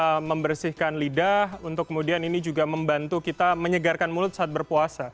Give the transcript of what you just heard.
kita membersihkan lidah untuk kemudian ini juga membantu kita menyegarkan mulut saat berpuasa